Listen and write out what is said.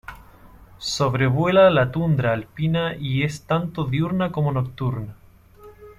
Sobrevuela la tundra alpina y es tanto diurna como nocturna.